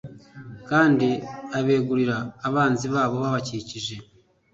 kandi abegurira abanzi babo babakikije